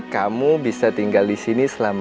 kamu bisa tinggal di sini selama